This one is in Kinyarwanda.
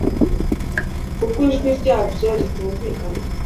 kuko ijwi ryabyo ritumvikana